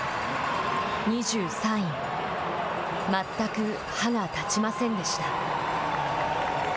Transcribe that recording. ２３位全く歯が立ちませんでした。